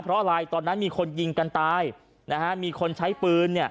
เพราะอะไรตอนนั้นมีคนยิงกันตายมีคนใช้ปืน